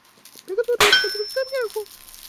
长梗匙叶五加为五加科五加属匙叶五加的变种。